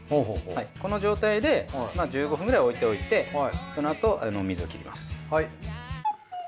この状態で１５分くらい置いておいてそのあと水をきります。